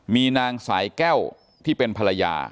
มีนางสายแก้วที่เป็นภรรยา